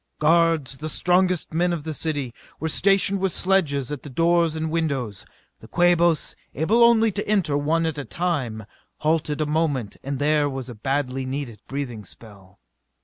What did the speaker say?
Guards, the strongest men of the city, were stationed with sledges at the doors and windows. The Quabos, able only to enter one at a time, halted a moment and there was a badly needed breathing spell.